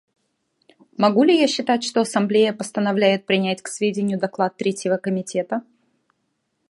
Могу ли я считать, что Ассамблея постановляет принять к сведению доклад Третьего комитета?